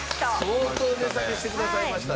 相当値下げしてくださいましたね。